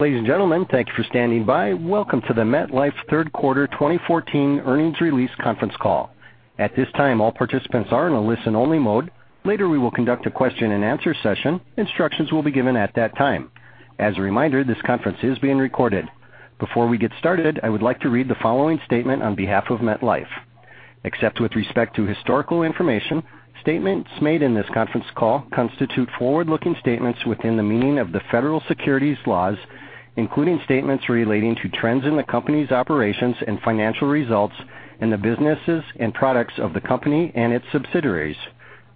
Ladies and gentlemen, thank you for standing by. Welcome to the MetLife third quarter 2014 earnings release conference call. At this time, all participants are in a listen-only mode. Later we will conduct a question and answer session. Instructions will be given at that time. As a reminder, this conference is being recorded. Before we get started, I would like to read the following statement on behalf of MetLife. Except with respect to historical information, statements made in this conference call constitute forward-looking statements within the meaning of the Federal securities laws, including statements relating to trends in the company's operations and financial results and the businesses and products of the company and its subsidiaries.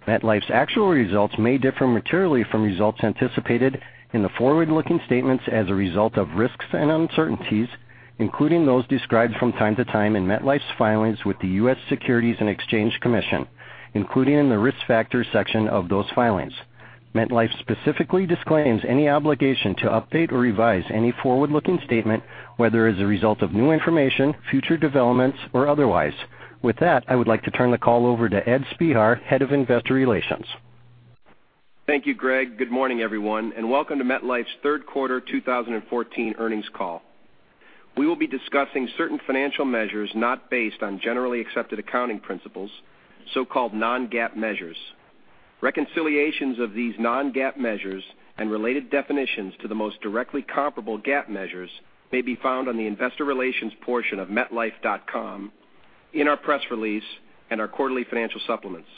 MetLife's actual results may differ materially from results anticipated in the forward-looking statements as a result of risks and uncertainties, including those described from time to time in MetLife's filings with the U.S. Securities and Exchange Commission, including in the Risk Factors section of those filings. MetLife specifically disclaims any obligation to update or revise any forward-looking statement, whether as a result of new information, future developments, or otherwise. With that, I would like to turn the call over to Ed Spehar, Head of Investor Relations. Thank you, Greg. Good morning, everyone, and welcome to MetLife's third quarter 2014 earnings call. We will be discussing certain financial measures not based on generally accepted accounting principles, so-called non-GAAP measures. Reconciliations of these non-GAAP measures and related definitions to the most directly comparable GAAP measures may be found on the investor relations portion of metlife.com, in our press release, and our quarterly financial supplements.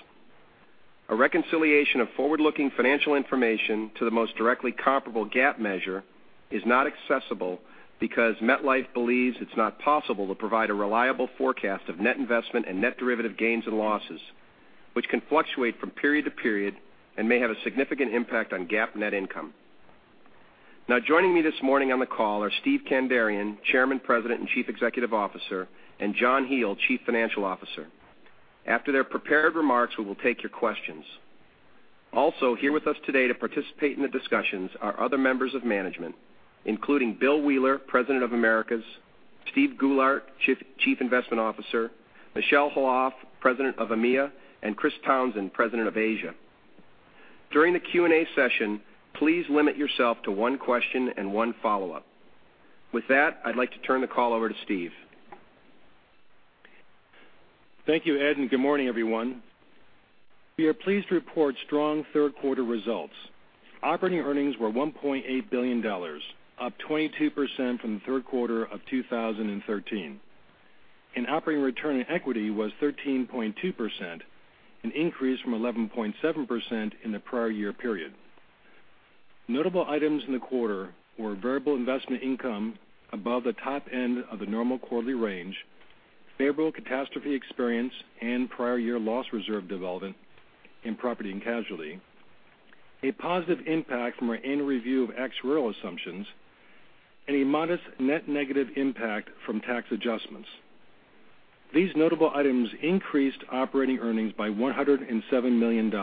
A reconciliation of forward-looking financial information to the most directly comparable GAAP measure is not accessible because MetLife believes it's not possible to provide a reliable forecast of net investment and net derivative gains and losses, which can fluctuate from period to period and may have a significant impact on GAAP net income. Joining me this morning on the call are Steve Kandarian, Chairman, President, and Chief Executive Officer, and John Hele, Chief Financial Officer. After their prepared remarks, we will take your questions. Also here with us today to participate in the discussions are other members of management, including Bill Wheeler, President of Americas, Steve Goulart, Chief Investment Officer, Michel Khalaf, President of EMEA, and Chris Townsend, President of Asia. During the Q&A session, please limit yourself to one question and one follow-up. With that, I'd like to turn the call over to Steve. Thank you, Ed. Good morning, everyone. We are pleased to report strong third quarter results. Operating earnings were $1.8 billion, up 22% from the third quarter of 2013. Operating return on equity was 13.2%, an increase from 11.7% in the prior year period. Notable items in the quarter were variable investment income above the top end of the normal quarterly range, favorable catastrophe experience and prior year loss reserve development in property and casualty, a positive impact from our annual review of actuarial assumptions, and a modest net negative impact from tax adjustments. These notable items increased operating earnings by $107 million.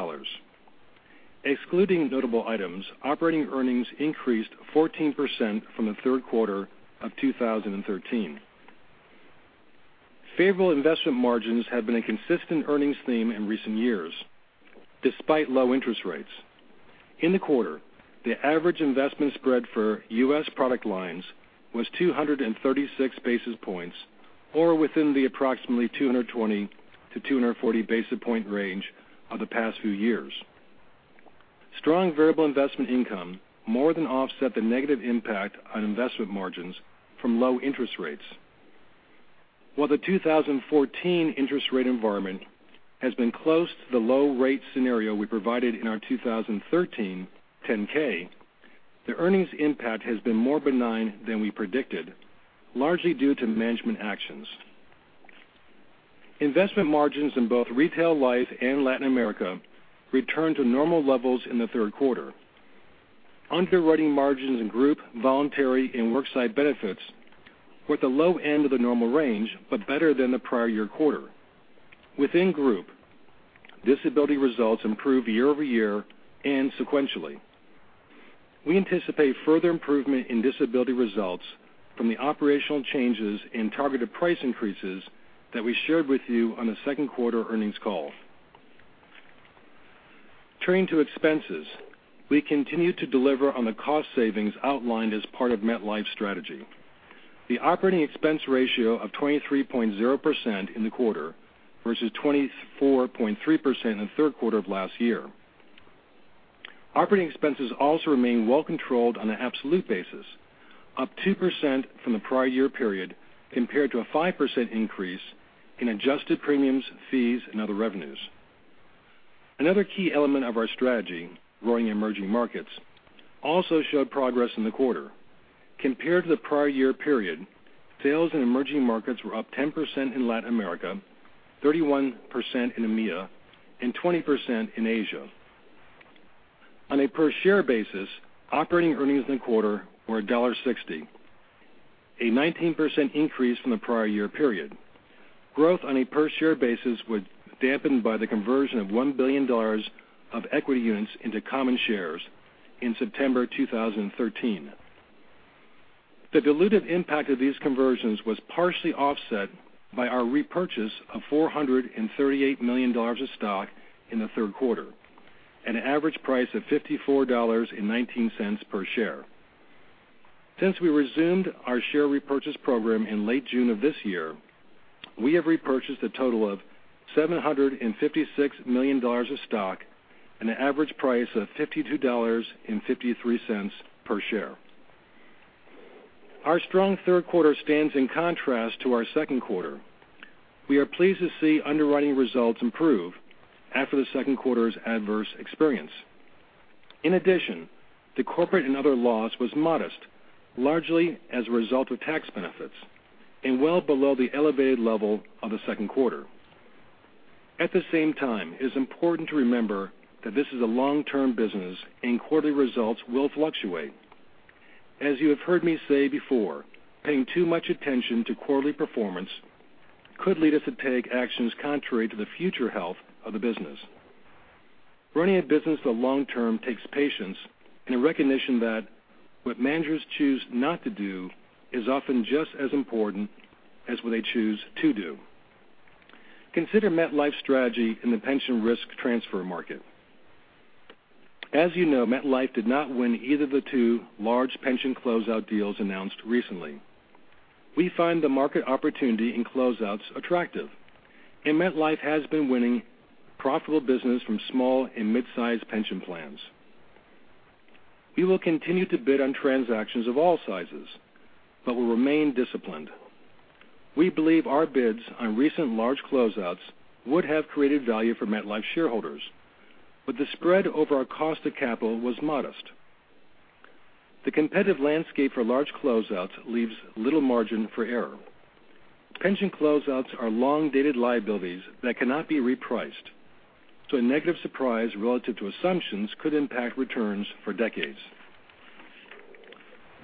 Excluding notable items, operating earnings increased 14% from the third quarter of 2013. Favorable investment margins have been a consistent earnings theme in recent years, despite low interest rates. In the quarter, the average investment spread for U.S. product lines was 236 basis points, within the approximately 220-240 basis point range of the past few years. Strong variable investment income more than offset the negative impact on investment margins from low interest rates. While the 2014 interest rate environment has been close to the low rate scenario we provided in our 2013 10-K, the earnings impact has been more benign than we predicted, largely due to management actions. Investment margins in both Retail Life and Latin America returned to normal levels in the third quarter. Underwriting margins in Group, Voluntary, and Worksite Benefits were at the low end of the normal range, better than the prior year quarter. Within Group, disability results improved year-over-year and sequentially. We anticipate further improvement in disability results from the operational changes in targeted price increases that we shared with you on the second quarter earnings call. Turning to expenses, we continue to deliver on the cost savings outlined as part of MetLife's strategy. The operating expense ratio was 23.0% in the quarter versus 24.3% in the third quarter of last year. Operating expenses also remain well controlled on an absolute basis, up 2% from the prior year period compared to a 5% increase in adjusted premiums, fees, and other revenues. Another key element of our strategy, growing emerging markets, also showed progress in the quarter. Compared to the prior year period, sales in emerging markets were up 10% in Latin America, 31% in EMEA, and 20% in Asia. On a per share basis, operating earnings in the quarter were $1.60, a 19% increase from the prior year period. Growth on a per share basis was dampened by the conversion of $1 billion of equity units into common shares in September 2013. The diluted impact of these conversions was partially offset by our repurchase of $438 million of stock in the third quarter. At an average price of $54.19 per share. Since we resumed our share repurchase program in late June of this year, we have repurchased a total of $756 million of stock at an average price of $52.53 per share. Our strong third quarter stands in contrast to our second quarter. We are pleased to see underwriting results improve after the second quarter's adverse experience. The corporate and other loss was modest, largely as a result of tax benefits, and well below the elevated level of the second quarter. At the same time, it is important to remember that this is a long-term business, and quarterly results will fluctuate. As you have heard me say before, paying too much attention to quarterly performance could lead us to take actions contrary to the future health of the business. Running a business for the long term takes patience and a recognition that what managers choose not to do is often just as important as what they choose to do. Consider MetLife's strategy in the pension risk transfer market. As you know, MetLife did not win either of the two large pension close-out deals announced recently. We find the market opportunity in close-outs attractive, and MetLife has been winning profitable business from small and mid-size pension plans. We will continue to bid on transactions of all sizes, but we'll remain disciplined. We believe our bids on recent large close-outs would have created value for MetLife shareholders, but the spread over our cost of capital was modest. The competitive landscape for large close-outs leaves little margin for error. Pension close-outs are long-dated liabilities that cannot be repriced, so a negative surprise relative to assumptions could impact returns for decades.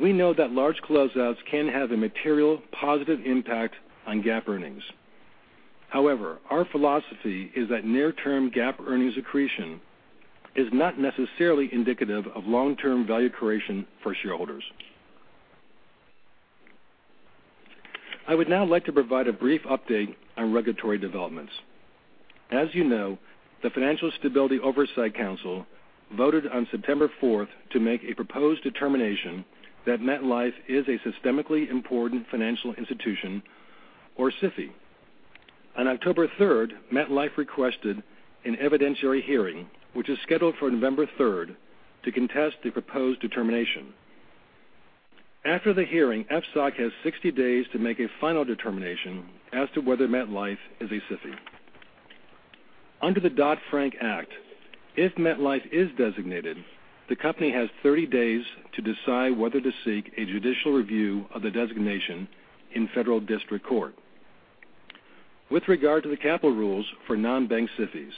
We know that large close-outs can have a material positive impact on GAAP earnings. However, our philosophy is that near-term GAAP earnings accretion is not necessarily indicative of long-term value creation for shareholders. I would now like to provide a brief update on regulatory developments. As you know, the Financial Stability Oversight Council voted on September 4th to make a proposed determination that MetLife is a systemically important financial institution, or SIFI. On October 3rd, MetLife requested an evidentiary hearing, which is scheduled for November 3rd, to contest the proposed determination. After the hearing, FSOC has 60 days to make a final determination as to whether MetLife is a SIFI. Under the Dodd-Frank Act, if MetLife is designated, the company has 30 days to decide whether to seek a judicial review of the designation in federal district court. With regard to the capital rules for non-bank SIFIs,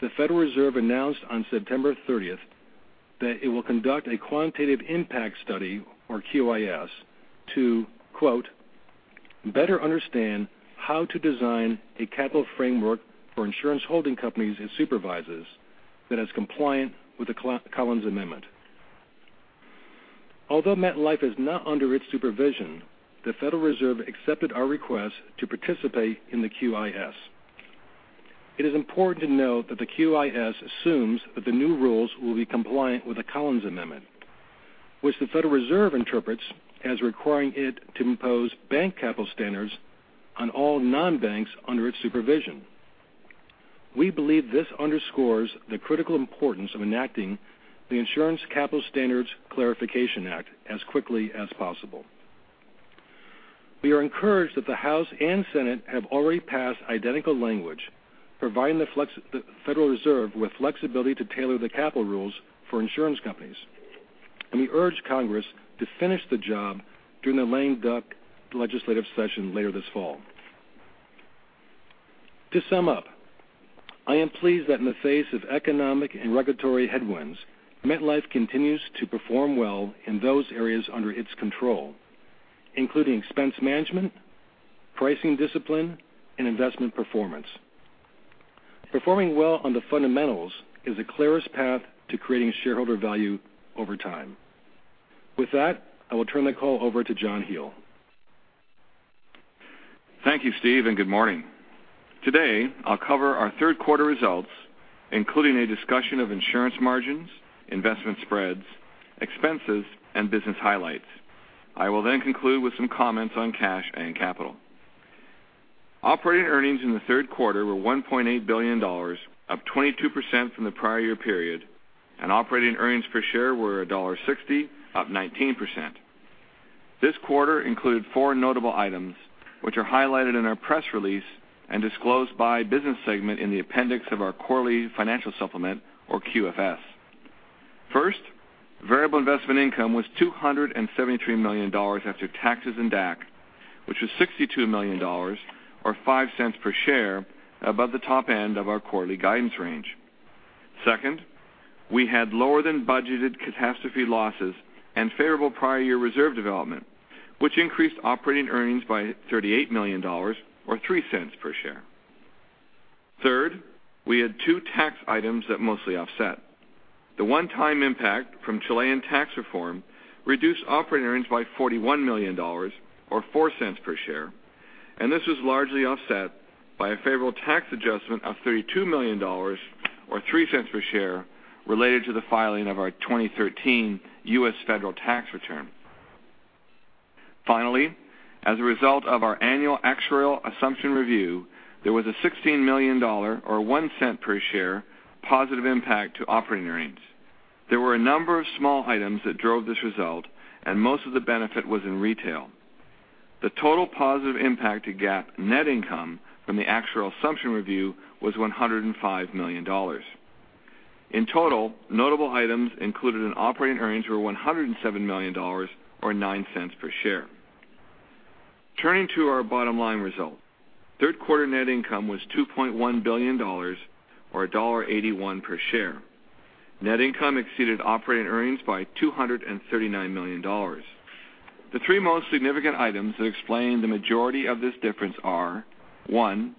the Federal Reserve announced on September 30th that it will conduct a quantitative impact study, or QIS, to "better understand how to design a capital framework for insurance holding companies it supervises that is compliant with the Collins Amendment." Although MetLife is not under its supervision, the Federal Reserve accepted our request to participate in the QIS. It is important to note that the QIS assumes that the new rules will be compliant with the Collins Amendment, which the Federal Reserve interprets as requiring it to impose bank capital standards on all non-banks under its supervision. We believe this underscores the critical importance of enacting the Insurance Capital Standards Clarification Act as quickly as possible. We are encouraged that the House and Senate have already passed identical language providing the Federal Reserve with flexibility to tailor the capital rules for insurance companies, and we urge Congress to finish the job during the lame duck legislative session later this fall. To sum up, I am pleased that in the face of economic and regulatory headwinds, MetLife continues to perform well in those areas under its control, including expense management, pricing discipline, and investment performance. Performing well on the fundamentals is the clearest path to creating shareholder value over time. With that, I will turn the call over to John Hele. Thank you, Steve. Good morning. Today, I'll cover our third quarter results, including a discussion of insurance margins, investment spreads, expenses, and business highlights. I will conclude with some comments on cash and capital. Operating earnings in the third quarter were $1.8 billion, up 22% from the prior year period, and operating earnings per share were $1.60, up 19%. This quarter included four notable items, which are highlighted in our press release and disclosed by business segment in the appendix of our quarterly financial supplement, or QFS. First, variable investment income was $273 million after taxes and DAC, which was $62 million, or $0.05 per share above the top end of our quarterly guidance range. Second, we had lower-than-budgeted catastrophe losses and favorable prior year reserve development, which increased operating earnings by $38 million, or $0.03 per share. Third, we had two tax items that mostly offset. The one-time impact from Chilean tax reform reduced operating earnings by $41 million, or $0.04 per share. This was largely offset by a favorable tax adjustment of $32 million, or $0.03 per share, related to the filing of our 2013 U.S. federal tax return. Finally, as a result of our annual actuarial assumption review, there was a $16 million, or $0.01 per share, positive impact to operating earnings. There were a number of small items that drove this result, most of the benefit was in retail. The total positive impact to GAAP net income from the actuarial assumption review was $105 million. In total, notable items included in operating earnings were $107 million, or $0.09 per share. Turning to our bottom line result, third quarter net income was $2.1 billion, or $1.81 per share. Net income exceeded operating earnings by $239 million. The three most significant items that explain the majority of this difference are, one,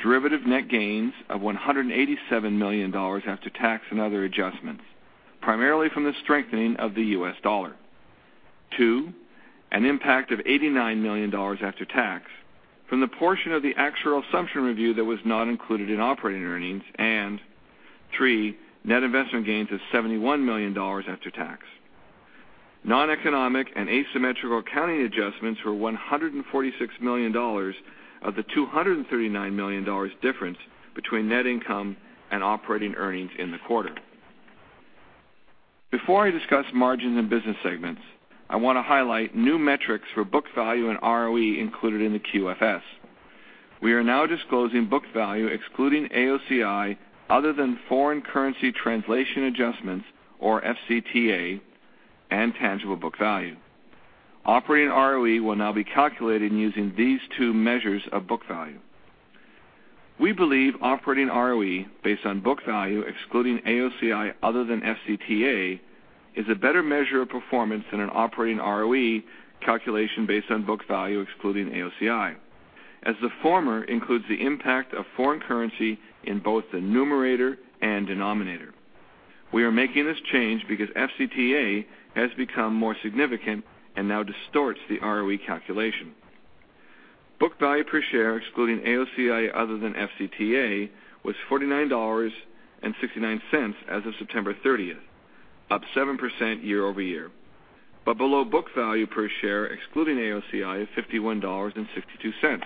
derivative net gains of $187 million after tax and other adjustments, primarily from the strengthening of the U.S. dollar. Two, an impact of $89 million after tax from the portion of the actuarial assumption review that was not included in operating earnings. Three, net investment gains of $71 million after tax. Non-economic and asymmetrical accounting adjustments were $146 million of the $239 million difference between net income and operating earnings in the quarter. Before I discuss margins and business segments, I want to highlight new metrics for book value and ROE included in the QFS. We are now disclosing book value, excluding AOCI, other than foreign currency translation adjustments, or FCTA, and tangible book value. Operating ROE will now be calculated using these two measures of book value. We believe operating ROE, based on book value excluding AOCI other than FCTA, is a better measure of performance than an operating ROE calculation based on book value excluding AOCI, as the former includes the impact of foreign currency in both the numerator and denominator. We are making this change because FCTA has become more significant and now distorts the ROE calculation. Book value per share excluding AOCI other than FCTA was $49.69 as of September 30th, up 7% year-over-year, but below book value per share excluding AOCI of $51.62.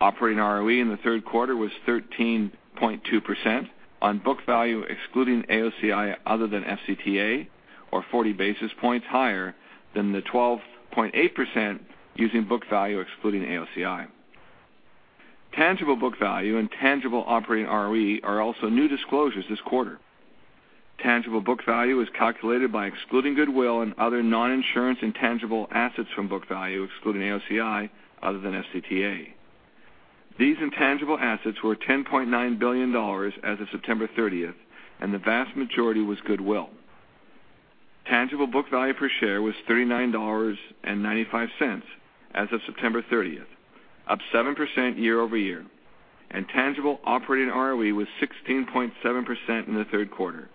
Operating ROE in the third quarter was 13.2% on book value excluding AOCI other than FCTA, or 40 basis points higher than the 12.8% using book value excluding AOCI. Tangible book value and tangible operating ROE are also new disclosures this quarter. Tangible book value is calculated by excluding goodwill and other non-insurance intangible assets from book value excluding AOCI other than FCTA. These intangible assets were $10.9 billion as of September 30th, and the vast majority was goodwill. Tangible book value per share was $39.95 as of September 30th, up 7% year-over-year, and tangible operating ROE was 16.7% in the third quarter.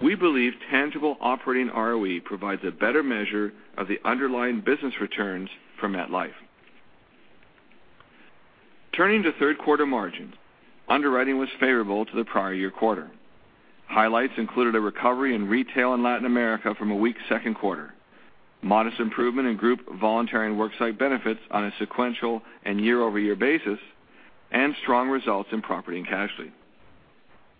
We believe tangible operating ROE provides a better measure of the underlying business returns for MetLife. Turning to third quarter margins, underwriting was favorable to the prior year quarter. Highlights included a recovery in retail in Latin America from a weak second quarter, modest improvement in group voluntary and work site benefits on a sequential and year-over-year basis, and strong results in property and casualty.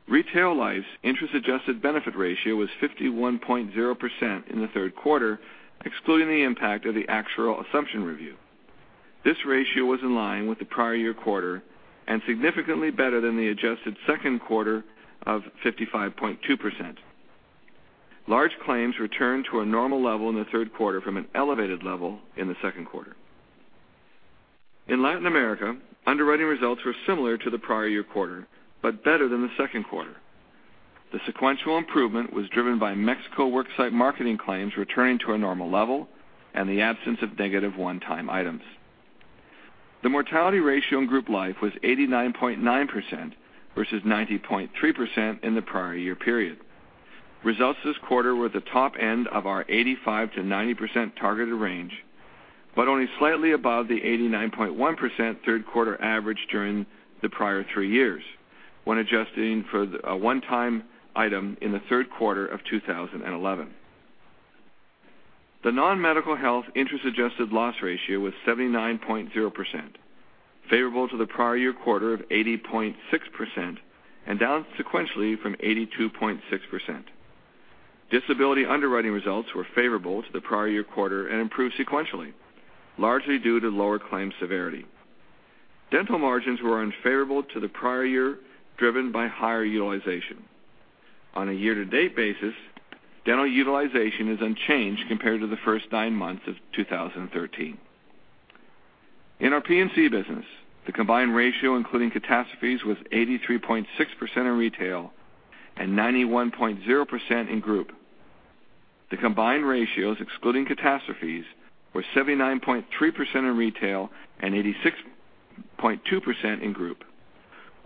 Retail life's interest adjusted benefit ratio was 51.0% in the third quarter, excluding the impact of the actuarial assumption review. This ratio was in line with the prior year quarter and significantly better than the adjusted second quarter of 55.2%. Large claims returned to a normal level in the third quarter from an elevated level in the second quarter. In Latin America, underwriting results were similar to the prior year quarter, but better than the second quarter. The sequential improvement was driven by Mexico work site marketing claims returning to a normal level and the absence of negative one-time items. The mortality ratio in group life was 89.9% versus 90.3% in the prior year period. Results this quarter were at the top end of our 85%-90% targeted range, but only slightly above the 89.1% third quarter average during the prior three years, when adjusting for a one-time item in the third quarter of 2011. The non-medical health interest adjusted loss ratio was 79.0%, favorable to the prior year quarter of 80.6% and down sequentially from 82.6%. Disability underwriting results were favorable to the prior year quarter and improved sequentially, largely due to lower claim severity. Dental margins were unfavorable to the prior year, driven by higher utilization. On a year-to-date basis, dental utilization is unchanged compared to the first nine months of 2013. In our P&C business, the combined ratio, including catastrophes, was 83.6% in retail and 91.0% in group. The combined ratios, excluding catastrophes, were 79.3% in retail and 86.2% in group.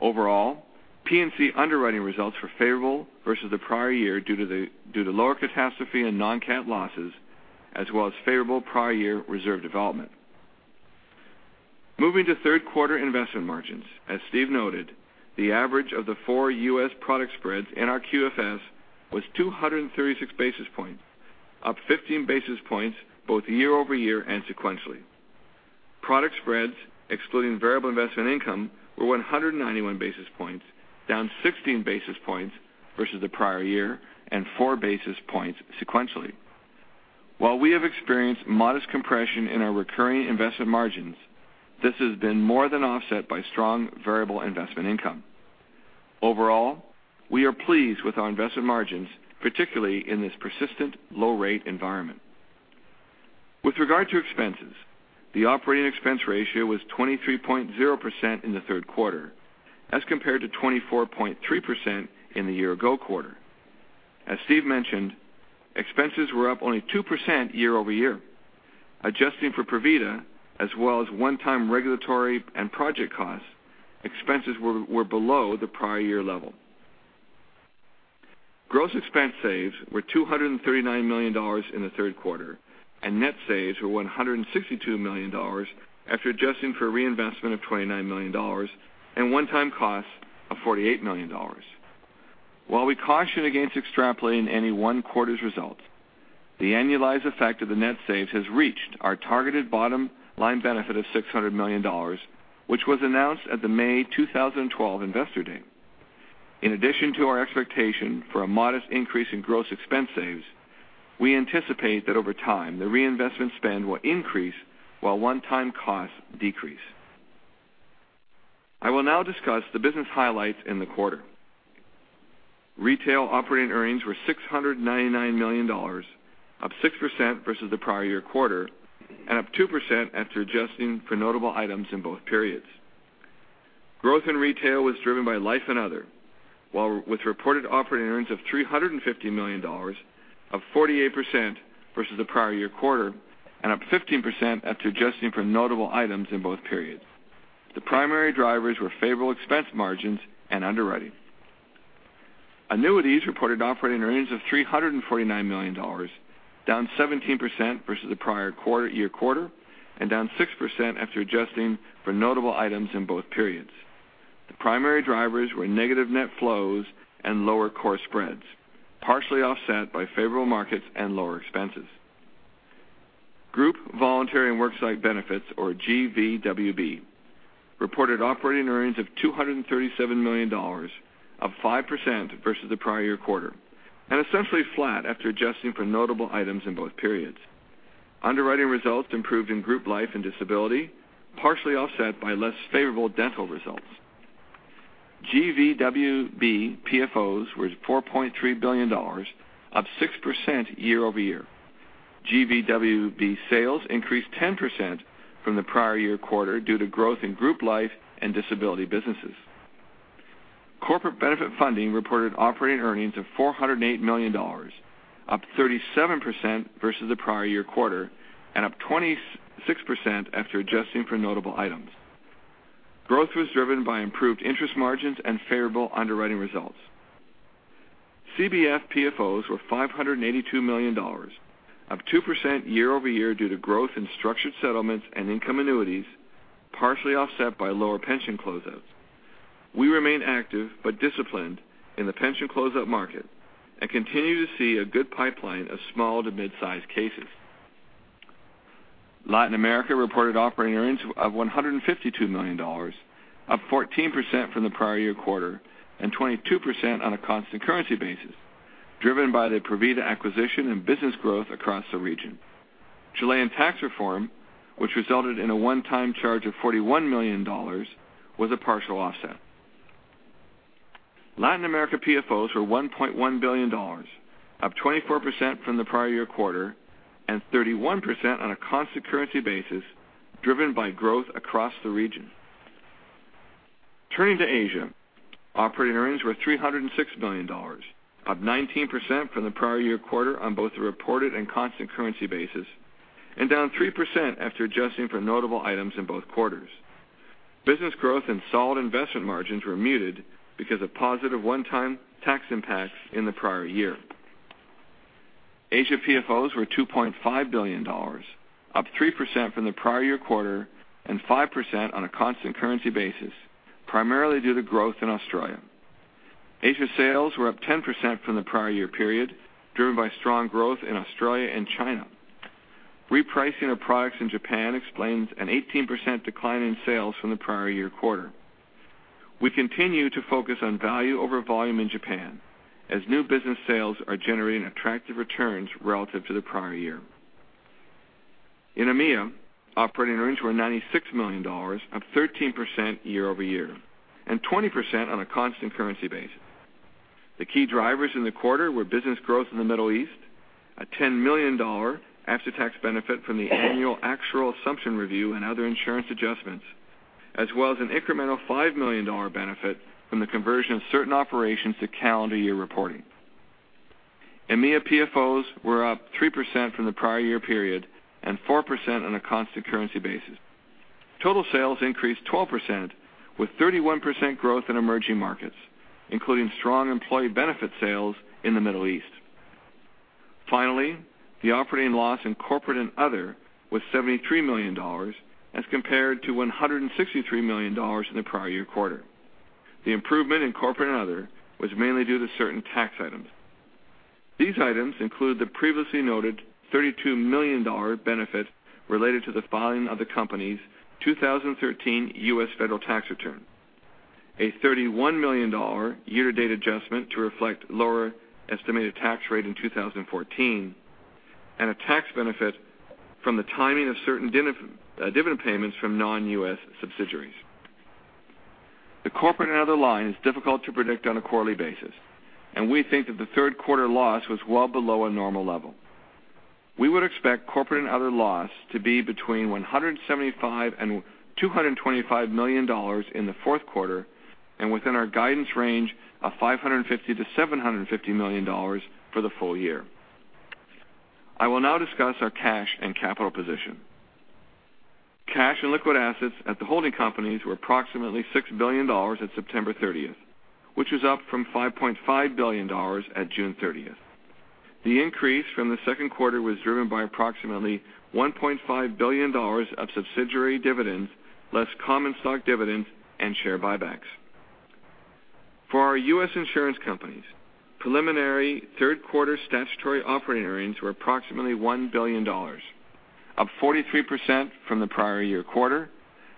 Overall, P&C underwriting results were favorable versus the prior year due to lower catastrophe and non-cat losses, as well as favorable prior year reserve development. Moving to third quarter investment margins. As Steve noted, the average of the four U.S. product spreads in our QFS was 236 basis points, up 15 basis points both year-over-year and sequentially. Product spreads, excluding variable investment income, were 191 basis points, down 16 basis points versus the prior year, and four basis points sequentially. While we have experienced modest compression in our recurring investment margins, this has been more than offset by strong variable investment income. Overall, we are pleased with our investment margins, particularly in this persistent low rate environment. With regard to expenses, the operating expense ratio was 23.0% in the third quarter, as compared to 24.3% in the year ago quarter. As Steve mentioned, expenses were up only 2% year-over-year. Adjusting for Provida, as well as one-time regulatory and project costs, expenses were below the prior year level. Gross expense saves were $239 million in the third quarter, and net saves were $162 million after adjusting for reinvestment of $29 million and one-time costs of $48 million. While we caution against extrapolating any one quarter's results, the annualized effect of the net saves has reached our targeted bottom line benefit of $600 million, which was announced at the May 2012 investor day. In addition to our expectation for a modest increase in gross expense saves, we anticipate that over time, the reinvestment spend will increase while one-time costs decrease. I will now discuss the business highlights in the quarter. Retail operating earnings were $699 million, up 6% versus the prior year quarter, and up 2% after adjusting for notable items in both periods. Growth in retail was driven by life and other, with reported operating earnings of $350 million, up 48% versus the prior year quarter, and up 15% after adjusting for notable items in both periods. The primary drivers were favorable expense margins and underwriting. Annuities reported operating earnings of $349 million, down 17% versus the prior year quarter, and down 6% after adjusting for notable items in both periods. The primary drivers were negative net flows and lower core spreads, partially offset by favorable markets and lower expenses. Group Voluntary and Worksite Benefits, or GVWB, reported operating earnings of $237 million, up 5% versus the prior year quarter, and essentially flat after adjusting for notable items in both periods. Underwriting results improved in group life and disability, partially offset by less favorable dental results. GVWB PFOs were $4.3 billion, up 6% year-over-year. GVWB sales increased 10% from the prior year quarter due to growth in group life and disability businesses. Corporate Benefit Funding reported operating earnings of $408 million, up 37% versus the prior year quarter, and up 26% after adjusting for notable items. Growth was driven by improved interest margins and favorable underwriting results. CBF PFOs were $582 million, up 2% year-over-year due to growth in structured settlements and income annuities, partially offset by lower pension close outs. We remain active but disciplined in the pension close out market and continue to see a good pipeline of small to mid-size cases. Latin America reported operating earnings of $152 million, up 14% from the prior year quarter, and 22% on a constant currency basis, driven by the Provida acquisition and business growth across the region. Chilean tax reform, which resulted in a one-time charge of $41 million, was a partial offset. Latin America PFOs were $1.1 billion, up 24% from the prior year quarter, and 31% on a constant currency basis, driven by growth across the region. Turning to Asia, operating earnings were $306 million, up 19% from the prior year quarter on both the reported and constant currency basis, and down 3% after adjusting for notable items in both quarters. Business growth and solid investment margins were muted because of positive one-time tax impacts in the prior year. Asia PFOs were $2.5 billion, up 3% from the prior year quarter and 5% on a constant currency basis, primarily due to growth in Australia. Asia sales were up 10% from the prior year period, driven by strong growth in Australia and China. Repricing of products in Japan explains an 18% decline in sales from the prior year quarter. We continue to focus on value over volume in Japan as new business sales are generating attractive returns relative to the prior year. In EMEA, operating earnings were $96 million, up 13% year over year, and 20% on a constant currency basis. The key drivers in the quarter were business growth in the Middle East, a $10 million after-tax benefit from the annual actual assumption review and other insurance adjustments as well as an incremental $5 million benefit from the conversion of certain operations to calendar year reporting. EMEA PFOs were up 3% from the prior year period and 4% on a constant currency basis. Total sales increased 12%, with 31% growth in emerging markets, including strong employee benefit sales in the Middle East. Finally, the operating loss in corporate and other was $73 million as compared to $163 million in the prior year quarter. The improvement in corporate and other was mainly due to certain tax items. These items include the previously noted $32 million benefit related to the filing of the company's 2013 U.S. federal tax return, a $31 million year-to-date adjustment to reflect lower estimated tax rate in 2014, and a tax benefit from the timing of certain dividend payments from non-U.S. subsidiaries. The corporate and other line is difficult to predict on a quarterly basis, and we think that the third quarter loss was well below a normal level. We would expect corporate and other loss to be between $175 million-$225 million in the fourth quarter, and within our guidance range of $550 million-$750 million for the full year. I will now discuss our cash and capital position. Cash and liquid assets at the holding companies were approximately $6 billion at September 30th, which was up from $5.5 billion at June 30th. The increase from the second quarter was driven by approximately $1.5 billion of subsidiary dividends, less common stock dividends, and share buybacks. For our U.S. insurance companies, preliminary third quarter statutory operating earnings were approximately $1 billion, up 43% from the prior year quarter,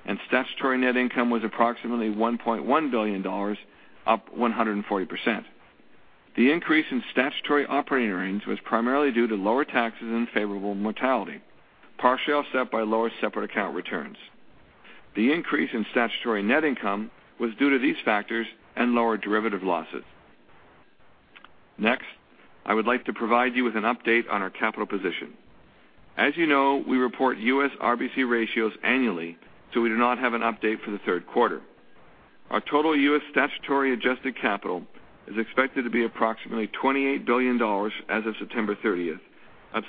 and statutory net income was approximately $1.1 billion, up 140%. The increase in statutory operating earnings was primarily due to lower taxes and favorable mortality, partially offset by lower separate account returns. The increase in statutory net income was due to these factors and lower derivative losses. I would like to provide you with an update on our capital position. As you know, we report U.S. RBC ratios annually, we do not have an update for the third quarter. Our total U.S. statutory adjusted capital is expected to be approximately $28 billion as of September 30th, up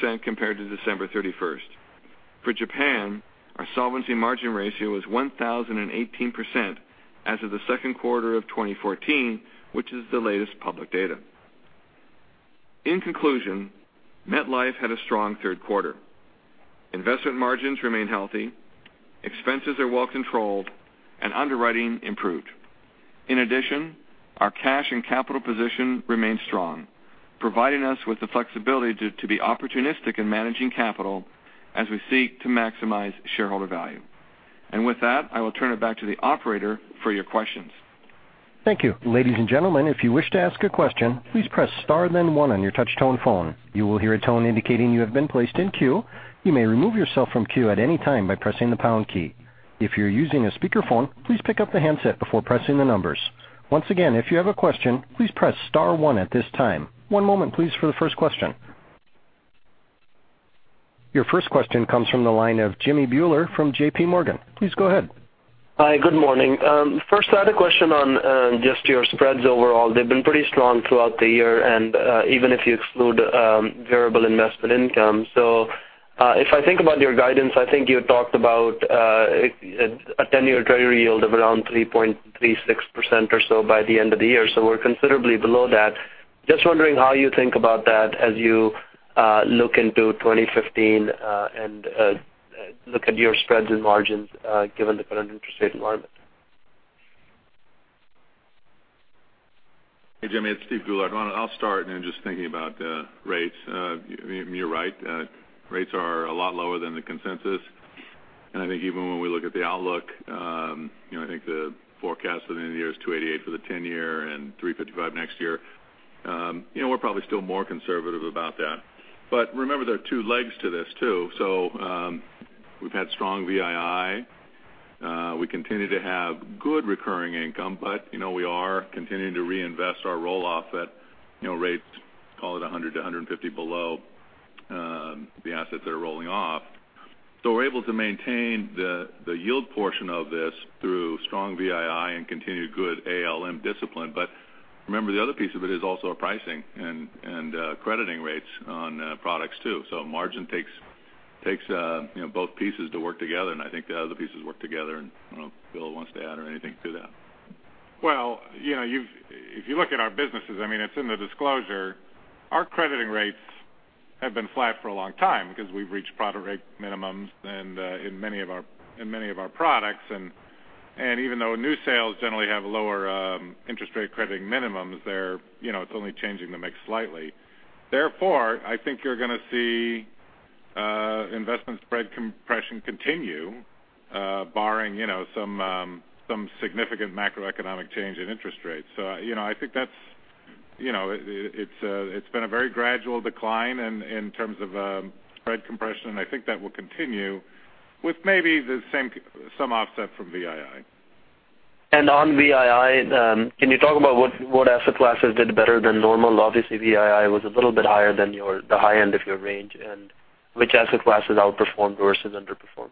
6% compared to December 31st. For Japan, our solvency margin ratio is 1,018% as of the second quarter of 2014, which is the latest public data. In conclusion, MetLife had a strong third quarter. Investment margins remain healthy, expenses are well controlled, underwriting improved. In addition, our cash and capital position remains strong, providing us with the flexibility to be opportunistic in managing capital as we seek to maximize shareholder value. With that, I will turn it back to the operator for your questions. Thank you. Ladies and gentlemen, if you wish to ask a question, please press star then one on your touch tone phone. You will hear a tone indicating you have been placed in queue. You may remove yourself from queue at any time by pressing the pound key. If you're using a speakerphone, please pick up the handset before pressing the numbers. Once again, if you have a question, please press star one at this time. One moment please for the first question. Your first question comes from the line of Jimmy Bhullar from J.P. Morgan. Please go ahead. Hi, good morning. First I had a question on just your spreads overall. They've been pretty strong throughout the year and even if you exclude variable investment income. If I think about your guidance, I think you had talked about a 10-year Treasury yield of around 3.36% or so by the end of the year. We're considerably below that. Just wondering how you think about that as you look into 2015, and look at your spreads and margins, given the current interest rate environment. Hey, Jimmy, it's Steve Goulart. I'll start. Just thinking about rates. You're right. Rates are a lot lower than the consensus. I think even when we look at the outlook, I think the forecast for the end of the year is 2.88% for the 10-year and 3.55% next year. We're probably still more conservative about that. Remember, there are two legs to this too. We've had strong VII. We continue to have good recurring income, but we are continuing to reinvest our roll-off at rates, call it 100 to 150 below the assets that are rolling off. We're able to maintain the yield portion of this through strong VII and continued good ALM discipline. Remember the other piece of it is also our pricing and crediting rates on products too. Margin takes both pieces to work together, and I think the other pieces work together, and I don't know if Bill wants to add anything to that. If you look at our businesses, it's in the disclosure, our crediting rates have been flat for a long time because we've reached product rate minimums in many of our products, and even though new sales generally have lower interest rate crediting minimums, it's only changing the mix slightly. Therefore, I think you're going to see investment spread compression continue, barring some significant macroeconomic change in interest rates. I think it's been a very gradual decline in terms of spread compression, and I think that will continue with maybe some offset from VII On VII, can you talk about what asset classes did better than normal? Obviously, VII was a little bit higher than the high end of your range, and which asset classes outperformed versus underperformed?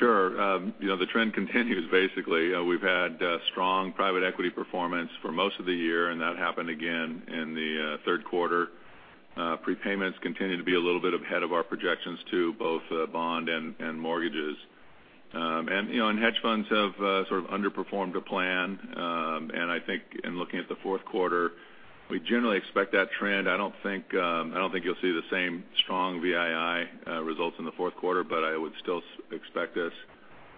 The trend continues, basically. We've had strong private equity performance for most of the year, and that happened again in the third quarter. Prepayments continue to be a little bit ahead of our projections too, both bond and mortgages. Hedge funds have sort of underperformed to plan. I think in looking at the fourth quarter, we generally expect that trend. I don't think you'll see the same strong VII results in the fourth quarter, but I would still expect us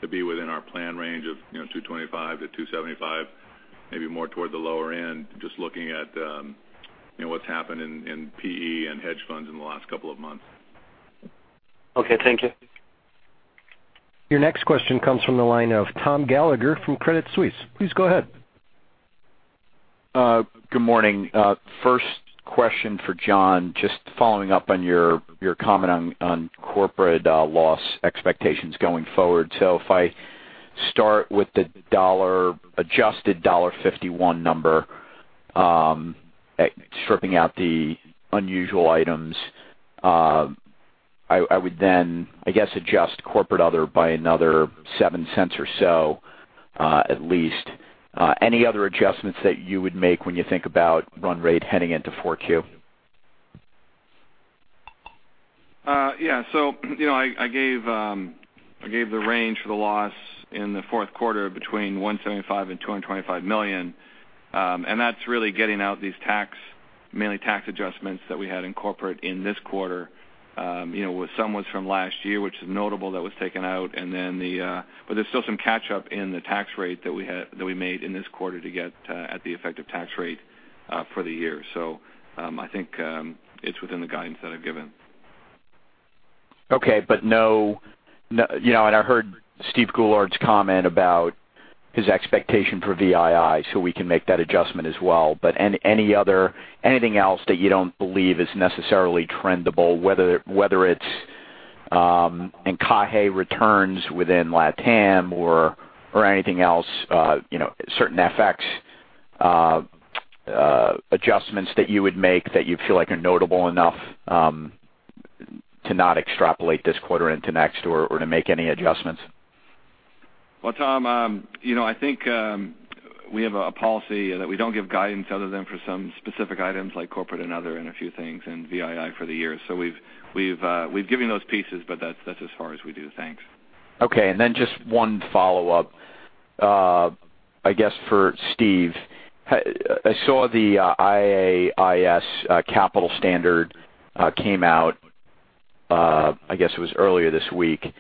to be within our plan range of 225 to 275, maybe more toward the lower end, just looking at what's happened in PE and hedge funds in the last couple of months. Okay, thank you. Your next question comes from the line of Tom Gallagher from Credit Suisse. Please go ahead. Good morning. First question for John, just following up on your comment on corporate loss expectations going forward. If I start with the adjusted $1.51 number, stripping out the unusual items, I would then, I guess, adjust corporate other by another $0.07 or so at least. Any other adjustments that you would make when you think about run rate heading into 4Q? I gave the range for the loss in the fourth quarter between $175 million-$225 million. That's really getting out these mainly tax adjustments that we had in corporate in this quarter. Some was from last year, which is notable that was taken out. There's still some catch up in the tax rate that we made in this quarter to get at the effective tax rate for the year. I think it's within the guidance that I've given. Okay. I heard Steven Goulart's comment about his expectation for VII, we can make that adjustment as well. Anything else that you don't believe is necessarily trendable, whether it's encaje returns within LATAM or anything else, certain FX adjustments that you would make that you feel like are notable enough to not extrapolate this quarter into next or to make any adjustments? Well, Tom, I think we have a policy that we don't give guidance other than for some specific items like corporate and other, and a few things in VII for the year. We've given those pieces, but that's as far as we do. Thanks. Okay, just one follow-up I guess for Steve. I saw the IAIS capital standard came out, I guess it was earlier this week.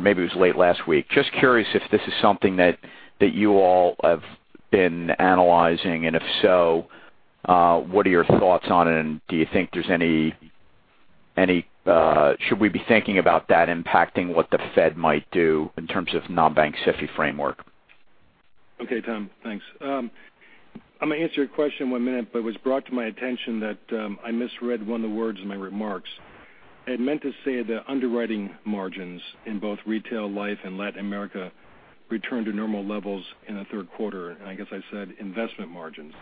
Maybe it was late last week. Just curious if this is something that you all have been analyzing, and if so, what are your thoughts on it, and should we be thinking about that impacting what the Fed might do in terms of non-bank SIFI framework? Okay, Tom. Thanks. I'm going to answer your question in one minute, it was brought to my attention that I misread one of the words in my remarks. I had meant to say the underwriting margins in both retail life and Latin America returned to normal levels in the third quarter, I guess I said investment margins.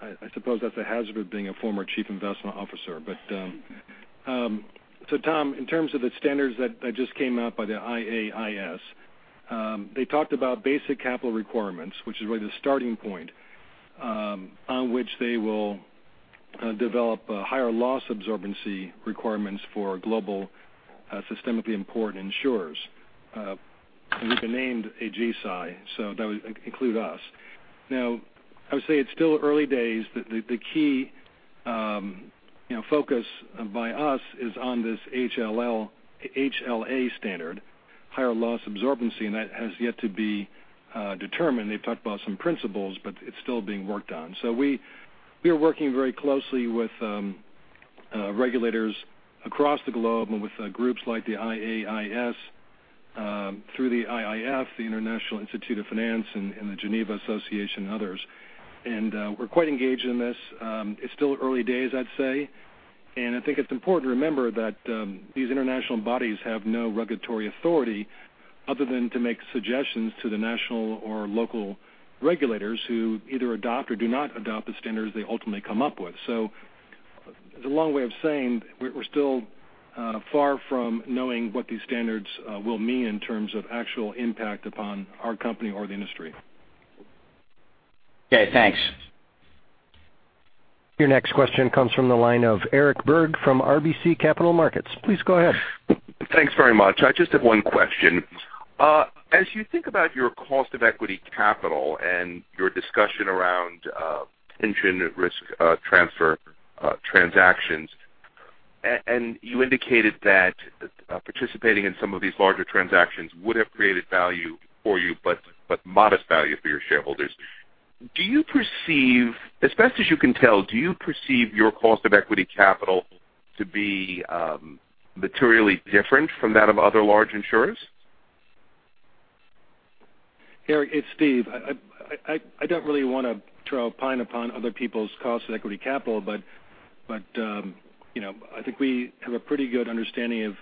I suppose that's the hazard of being a former Chief Investment Officer. Tom, in terms of the standards that just came out by the IAIS. They talked about basic capital requirements, which is really the starting point on which they will develop higher loss absorbency requirements for global systemically important insurers. We've been named a GSI, so that would include us. I would say it's still early days. The key focus by us is on this HLA standard, higher loss absorbency, and that has yet to be determined. They've talked about some principles, but it's still being worked on. We are working very closely with regulators across the globe and with groups like the IAIS through the IIF, the International Institute of Finance, and The Geneva Association and others. We're quite engaged in this. It's still early days, I'd say, and I think it's important to remember that these international bodies have no regulatory authority other than to make suggestions to the national or local regulators who either adopt or do not adopt the standards they ultimately come up with. It's a long way of saying we're still far from knowing what these standards will mean in terms of actual impact upon our company or the industry. Okay, thanks. Your next question comes from the line of Eric Berg from RBC Capital Markets. Please go ahead. Thanks very much. I just have one question. As you think about your cost of equity capital and your discussion around pension risk transfer transactions, and you indicated that participating in some of these larger transactions would have created value for you, but modest value for your shareholders. As best as you can tell, do you perceive your cost of equity capital to be materially different from that of other large insurers? Eric, it's Steve. I don't really want to opine upon other people's cost of equity capital, but I think we have a pretty good understanding of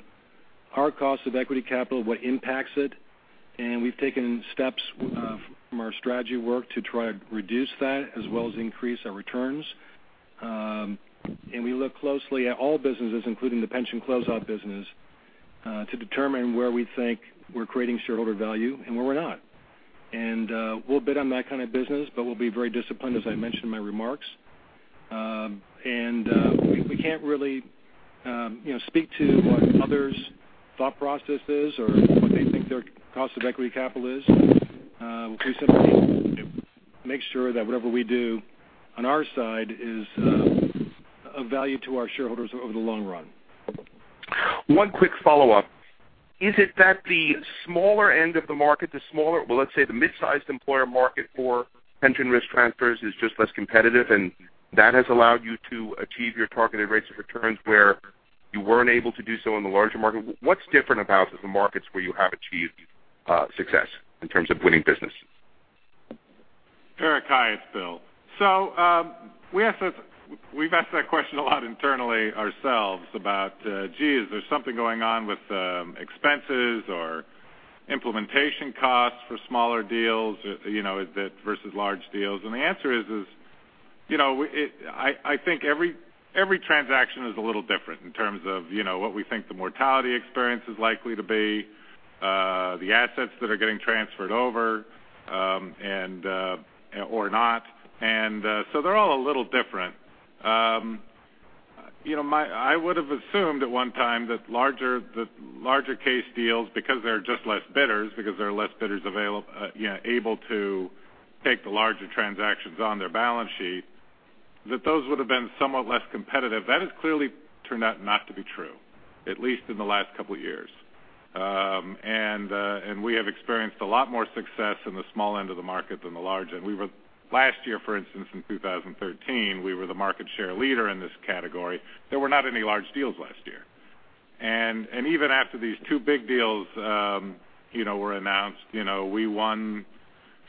our cost of equity capital, what impacts it, and we've taken steps from our strategy work to try to reduce that as well as increase our returns. We look closely at all businesses, including the pension close-out business, to determine where we think we're creating shareholder value and where we're not. We'll bid on that kind of business, but we'll be very disciplined, as I mentioned in my remarks. We can't really speak to what others' thought process is or what they think their cost of equity capital is. We simply make sure that whatever we do on our side is of value to our shareholders over the long run. One quick follow-up. Is it that the smaller end of the market, let's say the mid-sized employer market for pension risk transfers, is just less competitive, and that has allowed you to achieve your targeted rates of returns where you weren't able to do so in the larger market? What's different about the markets where you have achieved success in terms of winning business? Eric, hi, it's Bill. We've asked that question a lot internally ourselves about, gee, is there something going on with expenses or implementation costs for smaller deals versus large deals? The answer is, I think every transaction is a little different in terms of what we think the mortality experience is likely to be, the assets that are getting transferred over or not. They're all a little different. I would have assumed at one time that the larger case deals, because there are just less bidders able to take the larger transactions on their balance sheet, that those would have been somewhat less competitive. That has clearly turned out not to be true, at least in the last couple of years. We have experienced a lot more success in the small end of the market than the large end. Last year, for instance, in 2013, we were the market share leader in this category. There were not any large deals last year. Even after these two big deals were announced, we won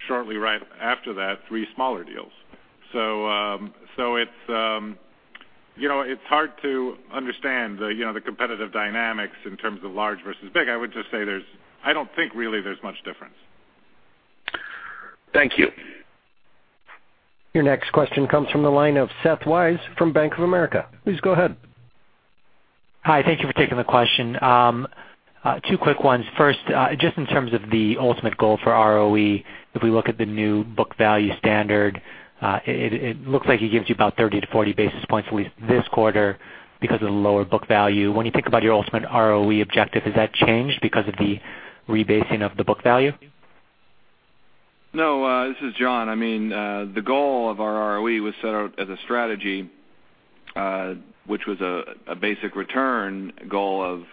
shortly right after that, three smaller deals. It's hard to understand the competitive dynamics in terms of large versus big. I would just say I don't think really there's much difference. Thank you. Your next question comes from the line of Seth Weiss from Bank of America. Please go ahead. Hi. Thank you for taking the question. Two quick ones. First, just in terms of the ultimate goal for ROE, if we look at the new book value standard, it looks like it gives you about 30 to 40 basis points at least this quarter because of the lower book value. When you think about your ultimate ROE objective, has that changed because of the rebasing of the book value? No, this is John. The goal of our ROE was set out as a strategy, which was a basic return goal of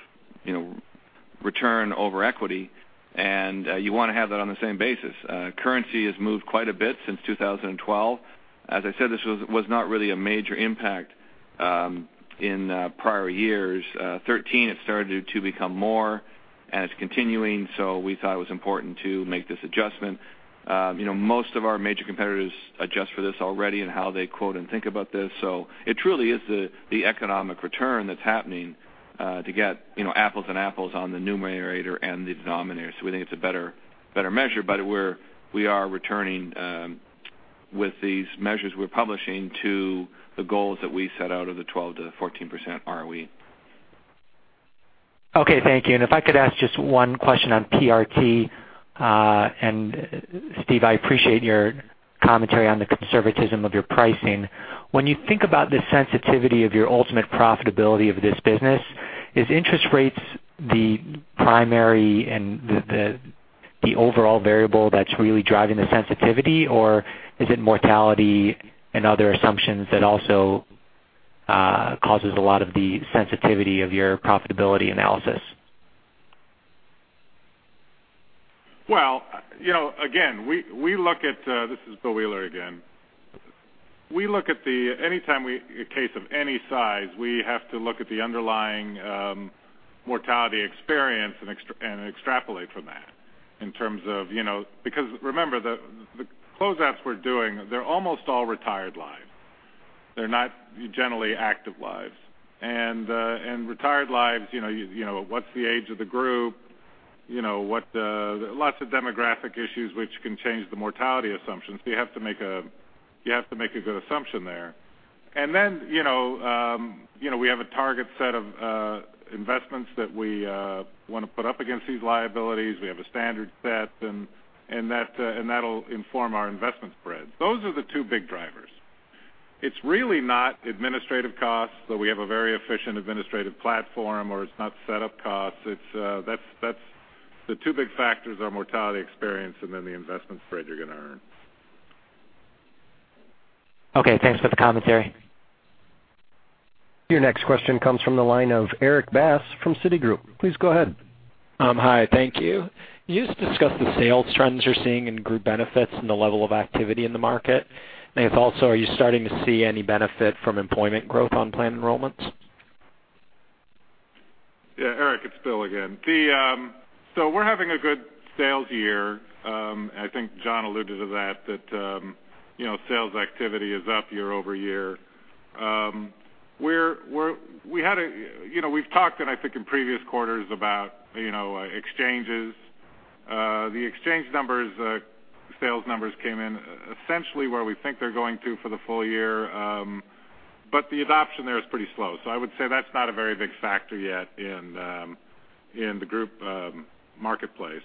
return over equity. You want to have that on the same basis. Currency has moved quite a bit since 2012. As I said, this was not really a major impact in prior years. 2013, it started to become more, it's continuing, so we thought it was important to make this adjustment. Most of our major competitors adjust for this already in how they quote and think about this. It truly is the economic return that's happening to get apples and apples on the numerator and the denominator. We think it's a better measure. We are returning with these measures we're publishing to the goals that we set out of the 12%-14% ROE. Okay, thank you. If I could ask just one question on PRT. Steve, I appreciate your commentary on the conservatism of your pricing. When you think about the sensitivity of your ultimate profitability of this business, is interest rates the primary and the overall variable that's really driving the sensitivity, or is it mortality and other assumptions that also causes a lot of the sensitivity of your profitability analysis? Well, again, this is William Wheeler again. Anytime a case of any size, we have to look at the underlying mortality experience and extrapolate from that. Remember, the close-outs we're doing, they're almost all retired lives. They're not generally active lives. Retired lives, what's the age of the group? Lots of demographic issues which can change the mortality assumptions. You have to make a good assumption there. Then we have a target set of investments that we want to put up against these liabilities. We have a standard set, and that'll inform our investment spreads. Those are the two big drivers. It's really not administrative costs, though we have a very efficient administrative platform, or it's not set-up costs. The two big factors are mortality experience and then the investment spread you're going to earn. Okay, thanks for the commentary. Your next question comes from the line of Erik Bass from Citigroup. Please go ahead. Hi. Thank you. Can you just discuss the sales trends you're seeing in group benefits and the level of activity in the market? If also, are you starting to see any benefit from employment growth on plan enrollments? Yeah, Erik, it's Bill again. We're having a good sales year. I think John alluded to that sales activity is up year-over-year. We've talked, I think in previous quarters about exchanges. The exchange sales numbers came in essentially where we think they're going to for the full year. The adoption there is pretty slow. I would say that's not a very big factor yet in the group marketplace.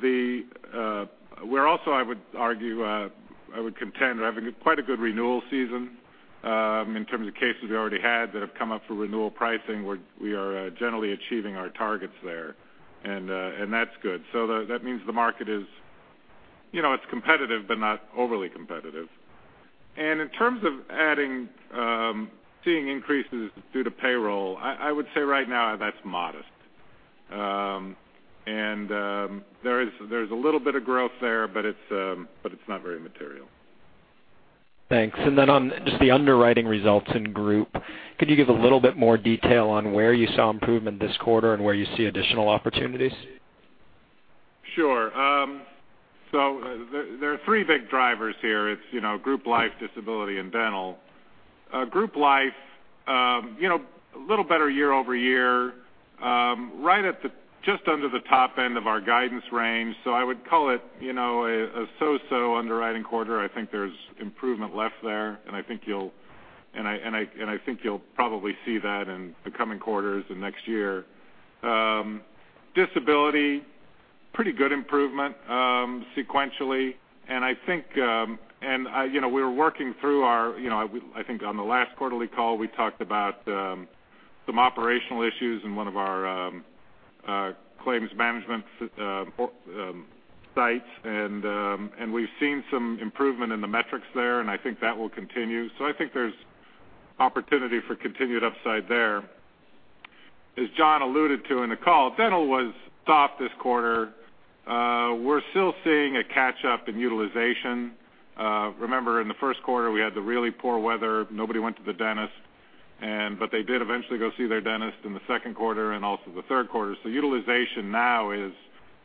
We're also, I would contend, we're having quite a good renewal season in terms of cases we already had that have come up for renewal pricing, we are generally achieving our targets there and that's good. That means the market is competitive but not overly competitive. In terms of seeing increases due to payroll, I would say right now that's modest. There's a little bit of growth there, but it's not very material. Thanks. On just the underwriting results in group, could you give a little bit more detail on where you saw improvement this quarter and where you see additional opportunities? Sure. There are three big drivers here. It's group life, disability, and dental. Group life, a little better year-over-year, just under the top end of our guidance range. I would call it a so-so underwriting quarter. I think there's improvement left there, and I think you'll probably see that in the coming quarters and next year. Disability, pretty good improvement sequentially, and I think we were working through I think on the last quarterly call, we talked about some operational issues in one of our claims management sites. We've seen some improvement in the metrics there, and I think that will continue. I think there's opportunity for continued upside there. As John alluded to in the call, dental was soft this quarter. We're still seeing a catch-up in utilization. Remember in the first quarter, we had the really poor weather. Nobody went to the dentist. They did eventually go see their dentist in the second quarter and also the third quarter. Utilization now is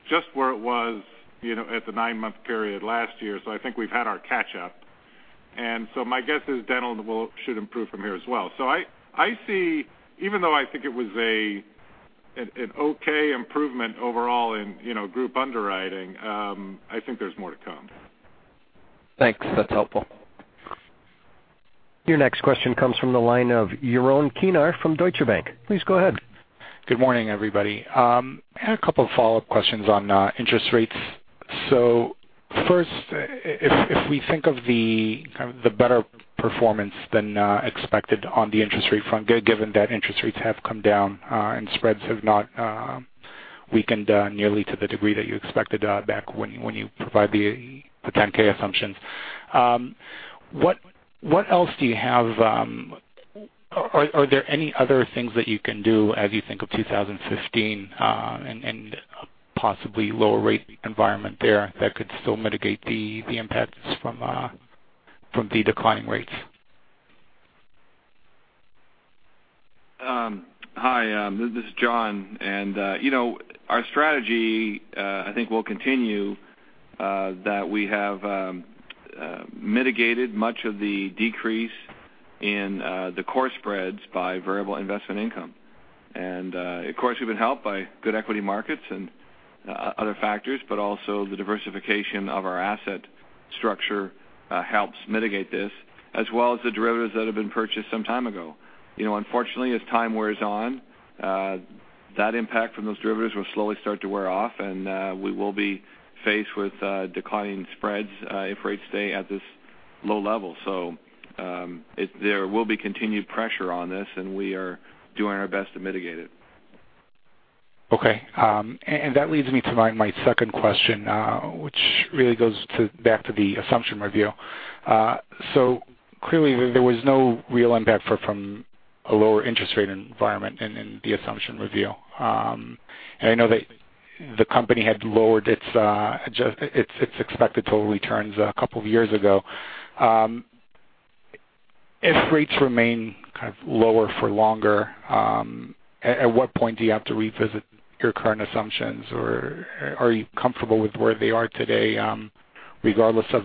just where it was at the nine-month period last year. I think we've had our catch-up. My guess is dental should improve from here as well. Even though I think it was an okay improvement overall in group underwriting, I think there's more to come. Thanks. That's helpful. Your next question comes from the line of Yaron Kinar from Deutsche Bank. Please go ahead. Good morning, everybody. I had a couple of follow-up questions on interest rates. First, if we think of the better performance than expected on the interest rate front, given that interest rates have come down and spreads have not weakened nearly to the degree that you expected back when you provided the 10-K assumptions. Are there any other things that you can do as you think of 2015, and possibly lower rate environment there that could still mitigate the impacts from the declining rates? Hi, this is John. Our strategy, I think, will continue that we have mitigated much of the decrease in the core spreads by variable investment income. Of course, we've been helped by good equity markets and other factors, but also the diversification of our asset structure helps mitigate this, as well as the derivatives that have been purchased some time ago. Unfortunately, as time wears on, that impact from those derivatives will slowly start to wear off, and we will be faced with declining spreads if rates stay at this low level. There will be continued pressure on this, and we are doing our best to mitigate it. Okay. That leads me to my second question, which really goes back to the assumption review. Clearly there was no real impact from a lower interest rate environment in the assumption review. I know that the company had lowered its expected total returns a couple of years ago. If rates remain kind of lower for longer, at what point do you have to revisit your current assumptions, or are you comfortable with where they are today regardless of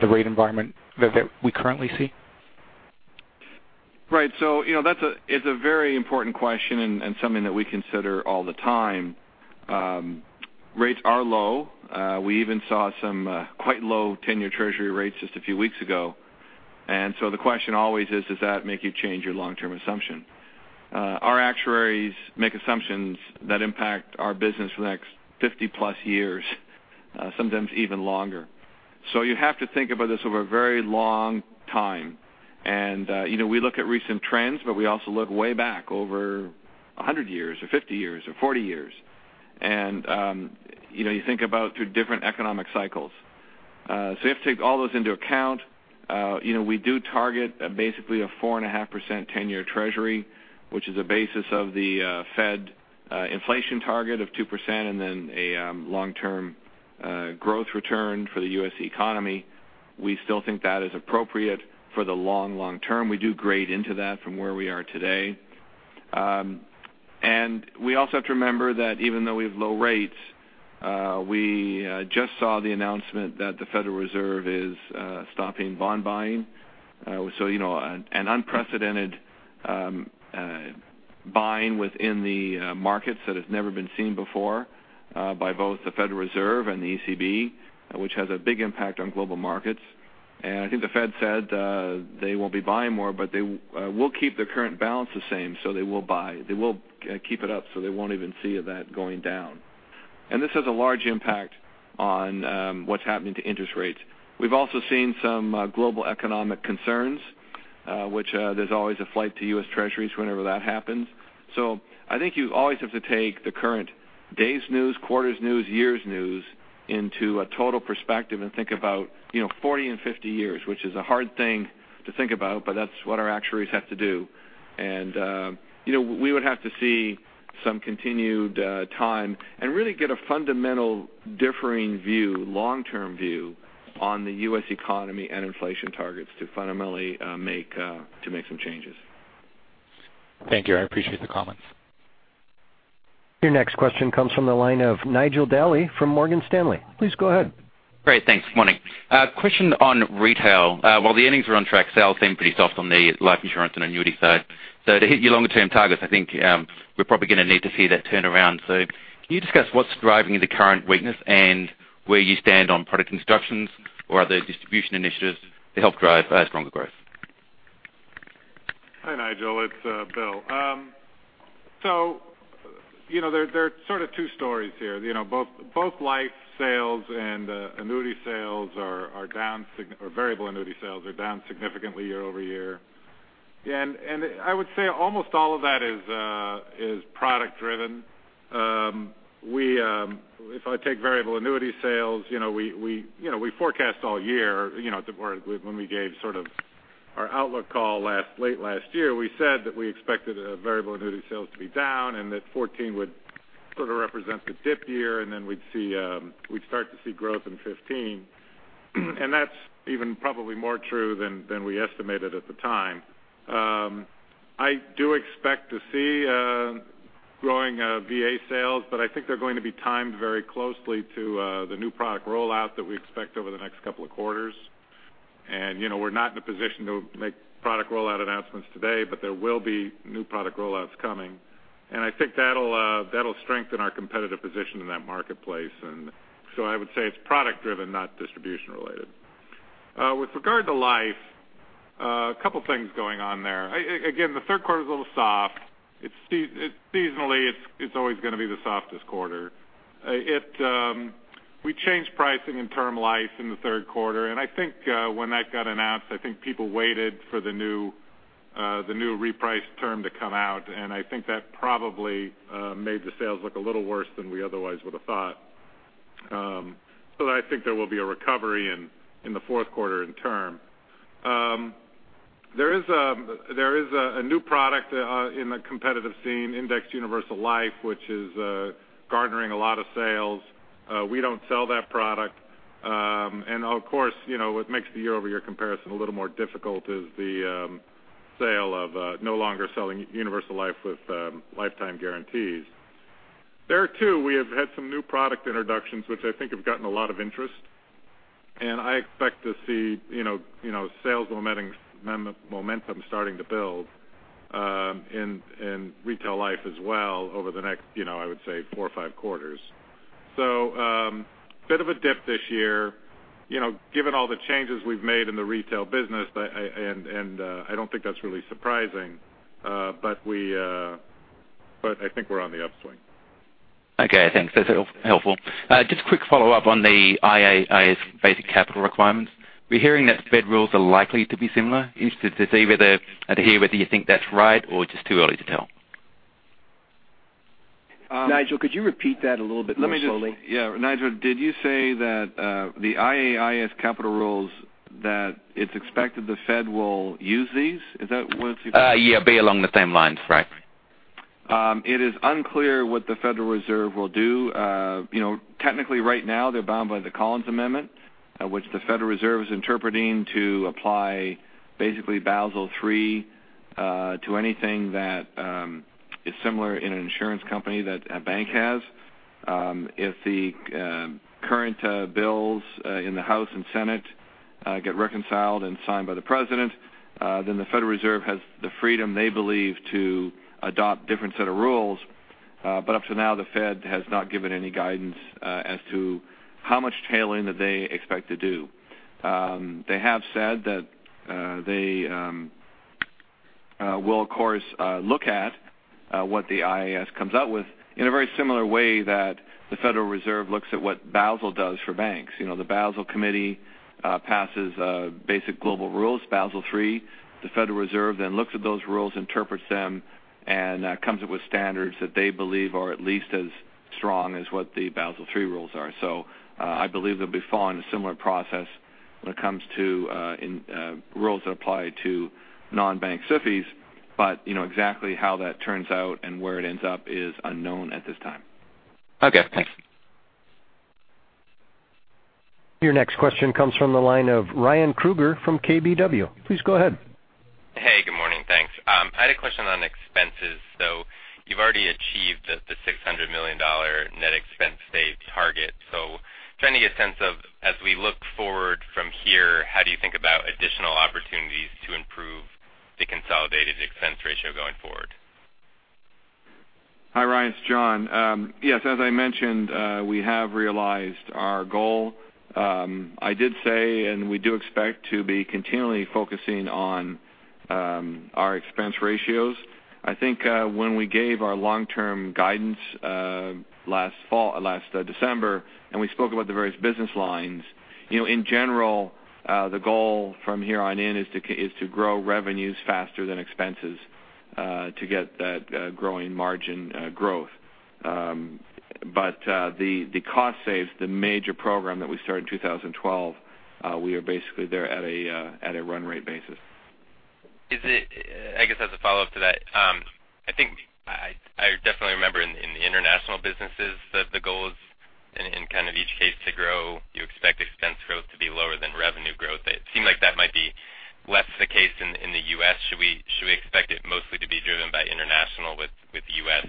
the rate environment that we currently see? Right. It's a very important question and something that we consider all the time. Rates are low. We even saw some quite low 10-year Treasury rates just a few weeks ago. The question always is, does that make you change your long-term assumption? Our actuaries make assumptions that impact our business for the next 50+ years, sometimes even longer. You have to think about this over a very long time. We look at recent trends, but we also look way back over 100 years or 50 years or 40 years. You think about through different economic cycles. You have to take all those into account. We do target basically a 4.5% 10-year Treasury, which is a basis of the Fed inflation target of 2%, and then a long-term growth return for the U.S. economy. We still think that is appropriate for the long, long term. We do grade into that from where we are today. We also have to remember that even though we have low rates, we just saw the announcement that the Federal Reserve is stopping bond buying. An unprecedented buying within the markets that has never been seen before by both the Federal Reserve and the ECB, which has a big impact on global markets. I think the Fed said they won't be buying more, but they will keep their current balance the same. They will buy. They will keep it up, so they won't even see that going down. This has a large impact on what's happening to interest rates. We've also seen some global economic concerns, which there's always a flight to U.S. Treasuries whenever that happens. I think you always have to take the current day's news, quarter's news, year's news into a total perspective and think about 40 and 50 years, which is a hard thing to think about, but that's what our actuaries have to do. We would have to see some continued time and really get a fundamental differing view, long-term view on the U.S. economy and inflation targets to fundamentally make some changes. Thank you. I appreciate the comments. Your next question comes from the line of Nigel Dally from Morgan Stanley. Please go ahead. Great. Thanks. Morning. A question on retail. While the earnings are on track, sales seem pretty soft on the life insurance and annuity side. To hit your longer-term targets, I think we're probably going to need to see that turn around. Can you discuss what's driving the current weakness and where you stand on product introductions or other distribution initiatives to help drive stronger growth? Hi, Nigel. It's Bill. There are sort of two stories here. Both life sales and annuity sales are down, or variable annuity sales are down significantly year-over-year. I would say almost all of that is product driven. If I take variable annuity sales, we forecast all year, when we gave sort of our outlook call late last year, we said that we expected variable annuity sales to be down and that 2014 would sort of represent the dip year, and then we'd start to see growth in 2015. That's even probably more true than we estimated at the time. I do expect to see growing VA sales, but I think they're going to be timed very closely to the new product rollout that we expect over the next couple of quarters. We're not in a position to make product rollout announcements today, but there will be new product rollouts coming. I think that'll strengthen our competitive position in that marketplace. I would say it's product driven, not distribution related. With regard to life, a couple of things going on there. Again, the third quarter is a little soft. Seasonally, it's always going to be the softest quarter. We changed pricing in term life in the third quarter, and I think when that got announced, I think people waited for the new reprice term to come out, and I think that probably made the sales look a little worse than we otherwise would have thought. I think there will be a recovery in the fourth quarter in term. There is a new product in the competitive scene, Indexed Universal Life, which is garnering a lot of sales. We don't sell that product. Of course, what makes the year-over-year comparison a little more difficult is the sale of no longer selling Universal Life with lifetime guarantees. There, too, we have had some new product introductions, which I think have gotten a lot of interest, and I expect to see sales momentum starting to build in retail life as well over the next, I would say, four or five quarters. A bit of a dip this year. Given all the changes we've made in the retail business, and I don't think that's really surprising, but I think we're on the upswing. Okay, thanks. That's helpful. Just a quick follow-up on the IAIS basic capital requirements. We're hearing that Fed rules are likely to be similar. Interested to hear whether you think that's right or just too early to tell. Nigel, could you repeat that a little bit more slowly? Yeah. Nigel, did you say that the IAIS capital rules, that it's expected the Fed will use these? Is that what? Yeah, be along the same lines. Right. It is unclear what the Federal Reserve will do. Technically right now, they're bound by the Collins Amendment, which the Federal Reserve is interpreting to apply basically Basel III to anything that is similar in an insurance company that a bank has. If the current bills in the House and Senate get reconciled and signed by the President, then the Federal Reserve has the freedom, they believe, to adopt different set of rules. Up to now, the Fed has not given any guidance as to how much tailoring that they expect to do. They have said that they will, of course, look at what the IAIS comes out with in a very similar way that the Federal Reserve looks at what Basel does for banks. The Basel Committee passes basic global rules, Basel III. The Federal Reserve looks at those rules, interprets them, and comes up with standards that they believe are at least as strong as what the Basel III rules are. I believe they'll be following a similar process when it comes to rules that apply to non-bank SIFIs. Exactly how that turns out and where it ends up is unknown at this time. Okay, thanks. Your next question comes from the line of Ryan Krueger from KBW. Please go ahead. Hey, good morning. Thanks. I had a question on expenses. You've already achieved the $600 million net expense save target. Trying to get a sense of, as we look forward from here, how do you think about additional opportunities to improve the consolidated expense ratio going forward? Hi, Ryan. It's John. Yes, as I mentioned, we have realized our goal. I did say, we do expect to be continually focusing on our expense ratios. I think, when we gave our long-term guidance last December, we spoke about the various business lines, in general, the goal from here on in is to grow revenues faster than expenses to get that growing margin growth. The cost saves, the major program that we started in 2012, we are basically there at a run rate basis. I guess as a follow-up to that, I think I definitely remember in the international businesses that the goal is in kind of each case to grow. You expect expense growth to be lower than revenue growth. It seemed like that might be less the case in the U.S. Should we expect it mostly to be driven by international with U.S.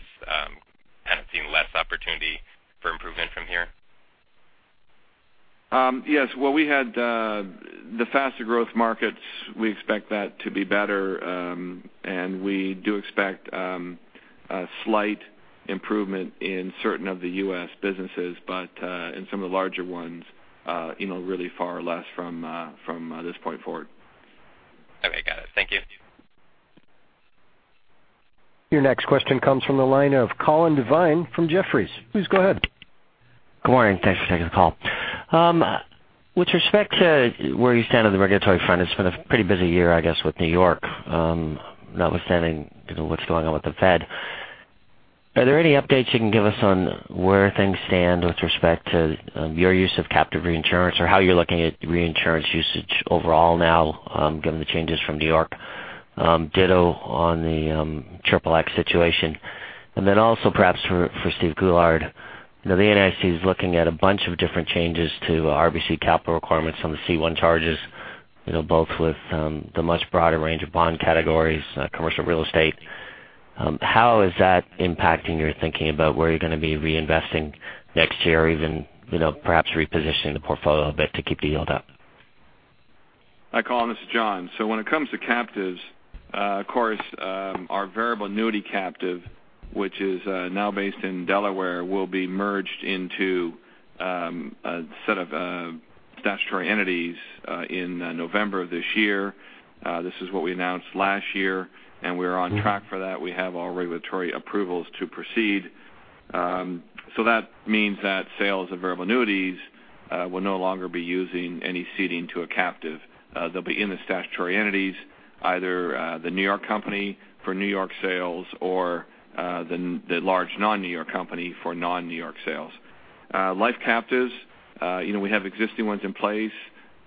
kind of seeing less opportunity for improvement from here? Yes. Well, we had the faster growth markets. We expect that to be better. We do expect a slight improvement in certain of the U.S. businesses, but in some of the larger ones really far less from this point forward. Okay, got it. Thank you. Your next question comes from the line of Colin Devine from Jefferies. Please go ahead. Good morning. Thanks for taking the call. With respect to where you stand on the regulatory front, it's been a pretty busy year, I guess, with N.Y., notwithstanding what's going on with the Fed. Are there any updates you can give us on where things stand with respect to your use of captive reinsurance or how you're looking at reinsurance usage overall now given the changes from N.Y.? Ditto on the triple X situation. Also perhaps for Steve Goulart, the NAIC is looking at a bunch of different changes to RBC capital requirements on the C1 charges, both with the much broader range of bond categories, commercial real estate. How is that impacting your thinking about where you're going to be reinvesting next year or even perhaps repositioning the portfolio a bit to keep the yield up? Hi, Colin, this is John. When it comes to captives, of course, our variable annuity captive, which is now based in Delaware, will be merged into a set of statutory entities in November of this year. This is what we announced last year, and we're on track for that. We have all regulatory approvals to proceed. That means that sales of variable annuities will no longer be using any ceding to a captive. They'll be in the statutory entities, either the N.Y. company for N.Y. sales or the large non-N.Y. company for non-N.Y. sales. Life captives, we have existing ones in place.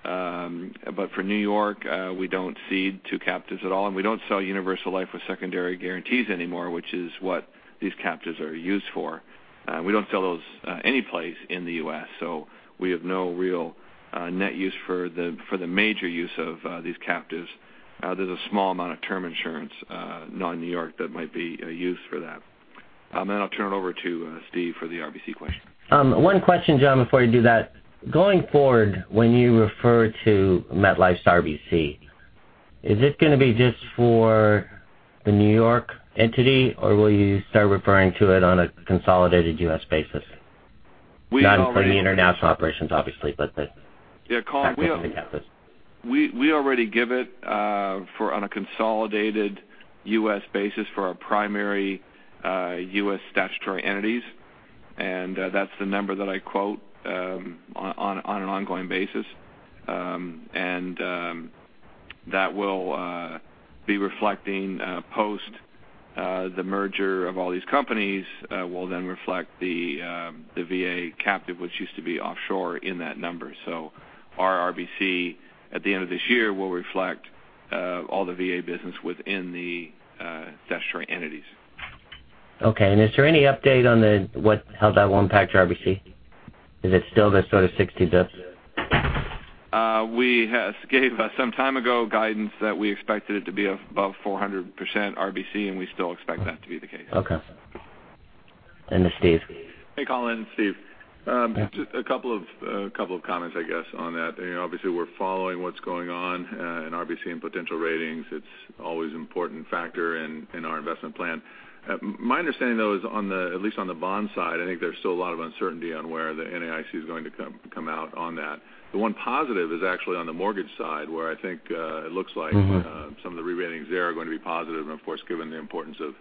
For N.Y., we don't cede to captives at all, and we don't sell Universal Life with secondary guarantees anymore, which is what these captives are used for. We don't sell those any place in the U.S., so we have no real net use for the major use of these captives. There's a small amount of term insurance, non-N.Y., that might be used for that. I'll turn it over to Steve for the RBC question. One question, John, before you do that. Going forward, when you refer to MetLife's RBC, is it going to be just for the N.Y. entity, or will you start referring to it on a consolidated U.S. basis? Not for the international operations, obviously, but the- Yeah, Colin- -captives and the captives. We already give it on a consolidated U.S. basis for our primary U.S. statutory entities, and that's the number that I quote on an ongoing basis. That will be reflecting post the merger of all these companies will then reflect the VA captive, which used to be offshore in that number. Our RBC at the end of this year will reflect all the VA business within the statutory entities. Okay. Is there any update on how that will impact your RBC? Is it still the sort of 60+? We gave some time ago guidance that we expected it to be above 400% RBC. We still expect that to be the case. Okay. To Steve. Hey, Colin. Steve. Yeah. Just a couple of comments, I guess, on that. Obviously we're following what's going on in RBC and potential ratings. It's always important factor in our investment plan. My understanding, though, is at least on the bond side, I think there's still a lot of uncertainty on where the NAIC is going to come out on that. The one positive is actually on the mortgage side, where I think it looks like some of the re-ratings there are going to be positive. Of course, given the importance of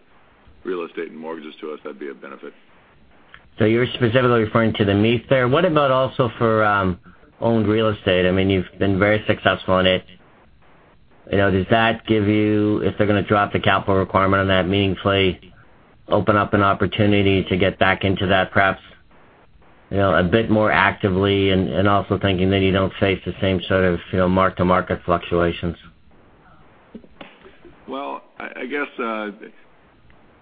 real estate and mortgages to us, that'd be a benefit. You're specifically referring to the MEF there. What about also for owned real estate? You've been very successful in it. Does that give you, if they're going to drop the capital requirement on that meaningfully, open up an opportunity to get back into that perhaps a bit more actively and also thinking that you don't face the same sort of mark-to-market fluctuations? Well, I guess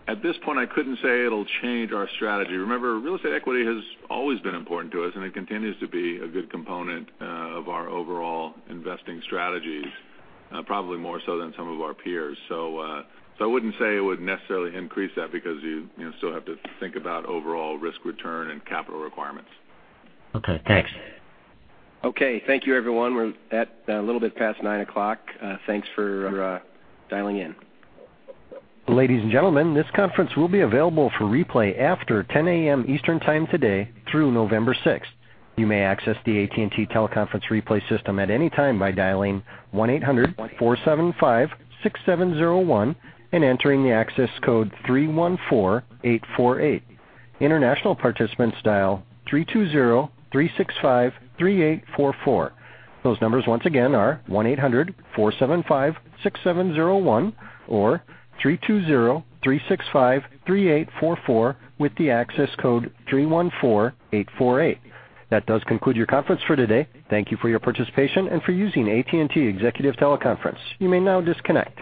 at this point I couldn't say it'll change our strategy. Remember, real estate equity has always been important to us and it continues to be a good component of our overall investing strategies probably more so than some of our peers. I wouldn't say it would necessarily increase that because you still have to think about overall risk return and capital requirements. Okay, thanks. Okay, thank you everyone. We're at a little bit past nine o'clock. Thanks for dialing in. Ladies and gentlemen, this conference will be available for replay after 10:00 A.M. Eastern Time today through November 6th. You may access the AT&T teleconference replay system at any time by dialing 1-800-475-6701 and entering the access code 314848. International participants dial 3203653844. Those numbers once again are 1-800-475-6701 or 3203653844 with the access code 314848. That does conclude your conference for today. Thank you for your participation and for using AT&T Executive Teleconference. You may now disconnect.